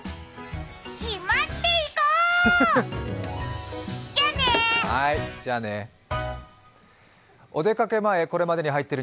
しまっていこ！